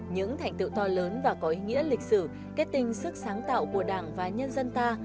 những thành tựu to lớn và có ý nghĩa lịch sử kết tinh sức sáng tạo của đảng và nhân dân ta